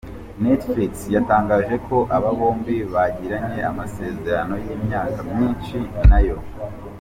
Netflix yatangaje ko aba bombi bagiranye amasezerano y’imyaka myinshi na yo.